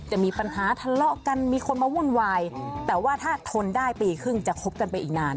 จะมีปัญหาทะเลาะกันมีคนมาวุ่นวายแต่ว่าถ้าทนได้ปีครึ่งจะคบกันไปอีกนาน